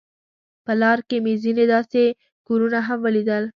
په لار کې مې ځینې داسې کورونه هم ولیدل.